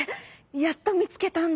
やっとみつけたんだ。